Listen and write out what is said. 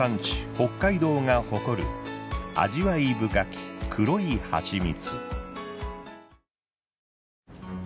北海道が誇る味わい深き黒い蜂蜜。